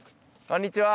こんにちは。